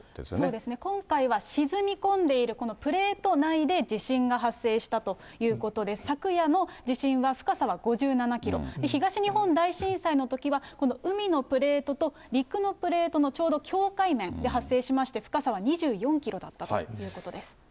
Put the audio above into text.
そうですね、今回は沈み込んでいる、このプレート内で地震が発生したということで、昨夜の地震は深さは５７キロ、東日本大震災のときは、この海のプレートと陸のプレートのちょうど境界面で発生しまして、深さは２４キロだったということです。